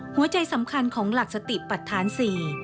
หัวใจสำคัญของหลักสติปัทธาน๔